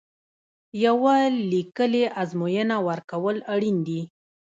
یوه لیکلې ازموینه ورکول اړین دي.